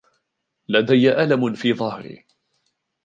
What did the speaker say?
لدي ألم في ظهري.